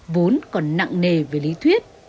vốn còn nặng nề về lý thuyết